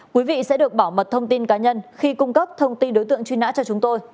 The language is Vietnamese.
quý vị sẽ được bảo mật thông tin cá nhân khi cung cấp thông tin đối tượng truy nã cho chúng tôi